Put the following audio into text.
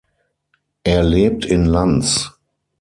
Er lebt in Lans.